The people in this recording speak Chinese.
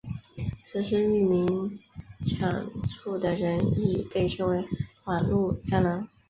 实施域名抢注的人亦被称为网路蟑螂。